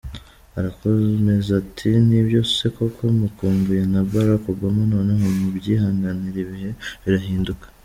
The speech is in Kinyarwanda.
Arakomeza ati "Nibyo se koko? Mukumbuye na Barack Obama noneho? Mubyihanganire, ibihe birahinduka.